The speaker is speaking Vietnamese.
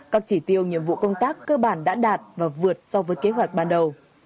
các chỉ tiêu nhiệm vụ công tác cơ bản đã đạt và vượt so với kế hoạch ban đầu